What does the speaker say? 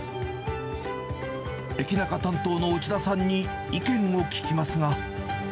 エキナカ担当の内田さんに意見を聞きますが。